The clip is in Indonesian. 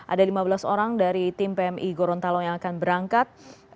ada lima belas orang dari tim pmi gorontalo yang akan berangkat